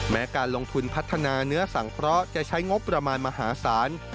การลงทุนพัฒนาเนื้อสังเคราะห์จะใช้งบประมาณมหาศาล